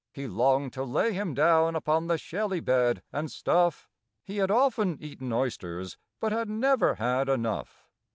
He longed to lay him down upon the shelly bed, and stuff: He had often eaten oysters, but had never had enough.